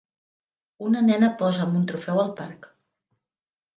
Una nena posa amb un trofeu al parc.